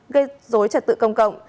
gây rối trật tự công cộng